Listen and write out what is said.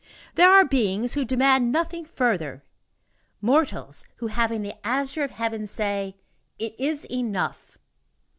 There are beings who demand nothing further; mortals, who, having the azure of heaven, say: "It is enough!"